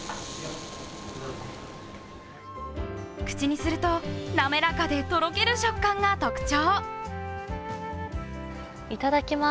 口にすると、滑らかでとろける食感が特徴。